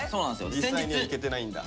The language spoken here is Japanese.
実際には行けてないんだ。